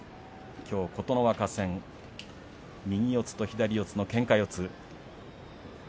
きょう琴ノ若戦右四つと左四つのけんか四つ。